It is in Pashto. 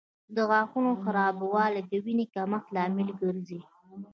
د غاښونو خرابوالی د وینې کمښت لامل ګرځي.